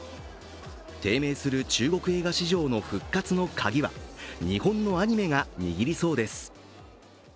低迷する中国映画市場の復活の鍵は、日本のアニメが握りそうです。